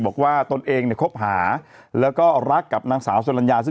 บอกว่าตนเองคบหาแล้วก็รักกับน้ำสาวโจรรยา